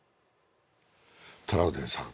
トラウデンさん